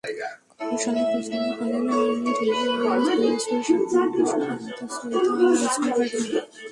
কর্মশালা পরিচালনা করেন আরডিআরএস দিনাজপুর শাখার কৃষি কর্মকর্তা সৈয়দা নাজমা পারভীন।